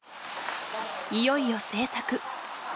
いよいよ制作。